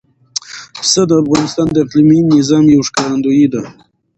پسه د افغانستان د اقلیمي نظام یو ښکارندوی ده.